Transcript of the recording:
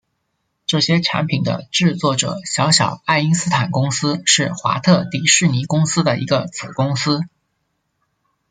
这些产品的制作者小小爱因斯坦公司是华特迪士尼公司的一个子公司。